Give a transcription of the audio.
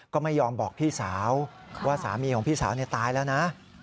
ก็ไม่ยอมบอกพี่สาวว่าสามีของพี่สาวตายแล้วนะ